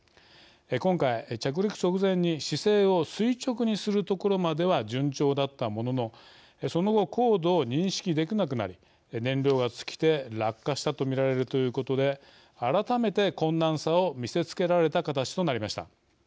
今回着陸直前に姿勢を垂直にするところまでは順調だったもののその後高度を認識できなくなり燃料が尽きて落下したと見られるということで改めて困難さを見せつけられた形となりました。